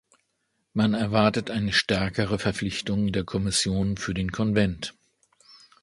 Man erwartet eine stärkere Verpflichtung der Kommission für den Konvent.